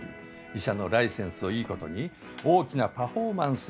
医者のライセンスをいい事に大きなパフォーマンスだけが彼の武器だ。